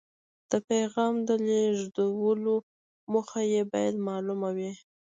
د پیغام د لیږلو موخه یې باید مالومه وي.